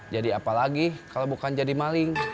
jadi apa lagi kalau bukan jadi maling